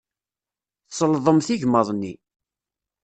Tselḍemt igmaḍ-nni.